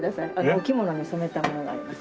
お着物に染めたものがあります。